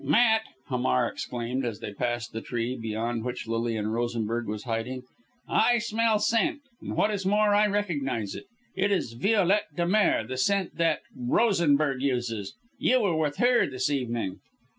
"Matt!" Hamar exclaimed as they passed the tree behind which Lilian Rosenberg was hiding, "I smell scent and what is more I recognize it. It is Violette de mer the scent that Rosenberg uses! You were with her this evening!"